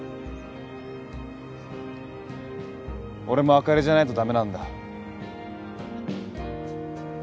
俺もあかりじゃないと駄目なんだ。